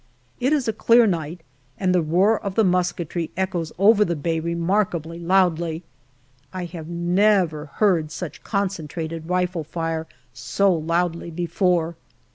It is a clear night, and the roar of the musketry echoes over the bay remarkably loudly. I have never heard such concentrated rifle fire so loudly before.